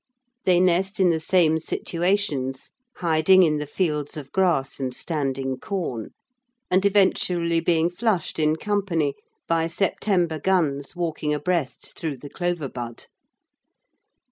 They nest in the same situations, hiding in the fields of grass and standing corn, and eventually being flushed in company by September guns walking abreast through the clover bud.